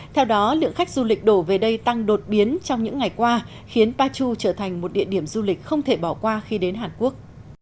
theo đó lượng khách du lịch đổ về đây tăng đột biến trong những ngày qua khiến pachu trở thành một địa điểm du lịch không thể bỏ qua khi đến hàn quốc